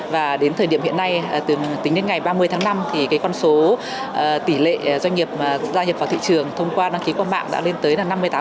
và đến thời điểm hiện nay tính đến ngày ba mươi tháng năm thì con số tỷ lệ doanh nghiệp gia nhập vào thị trường thông qua đăng ký qua mạng đã lên tới năm mươi tám